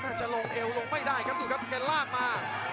ว่าจะลงนี่ลงไม่ได้ลือร่างมา